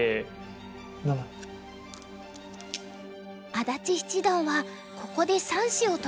安達七段はここで３子を取りました。